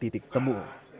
tidak ada titik temu